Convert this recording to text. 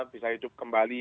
bisa hidup kembali